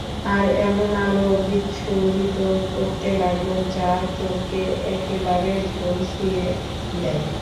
আর এমন আলো বিচ্ছুরিত করতে লাগল যা চোখকে একেবারে ঝলসিয়ে দেয়।